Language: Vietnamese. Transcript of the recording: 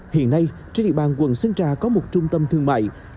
hiện nay trên địa bàn quận sơn trà có một trung tâm thương mại